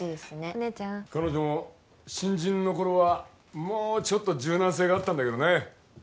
お姉ちゃん彼女も新人の頃はもうちょっと柔軟性があったんだけどね